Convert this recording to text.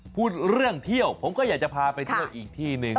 พูดเรื่องเที่ยวผมก็อยากจะพาไปเที่ยวอีกที่หนึ่ง